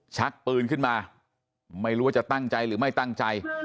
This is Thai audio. ชักปืนขึ้นมาไม่รู้ว่าจะตั้งใจหรือไม่ตั้งใจ